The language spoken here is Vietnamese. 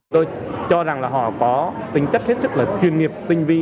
tôi cho rằng là họ có tính chất hết sức là chuyên nghiệp tinh vi